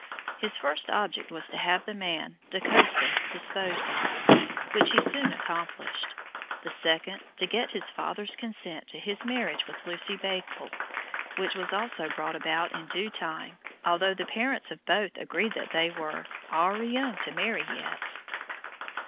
His first object was to have the man Da Costa disposed of, which he soon accomplished; the second, to get his father's consent to his marriage with Lucy Bakewell, which was also brought about in due time, although the parents of both agreed that they were "owre young to marry yet."